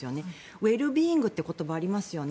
ウェルビーイングという言葉がありますよね